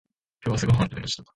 今日朝ごはんを食べました。